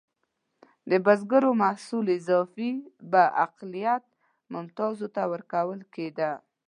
د بزګرو محصول اضافي به اقلیت ممتازو ته ورکول کېده.